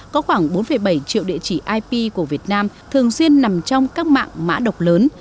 có khoảng bốn bảy triệu địa chỉ ip của việt nam thường xuyên nằm trong các mạng mã độc lớn